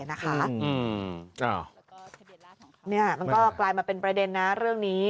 มันก็กลายมาเป็นประเด็นนะเรื่องนี้